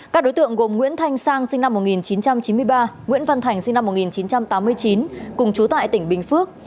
các đối tượng gồm nguyễn thanh sang sinh năm một nghìn chín trăm chín mươi ba nguyễn văn thành sinh năm một nghìn chín trăm tám mươi chín cùng chú tại tỉnh bình phước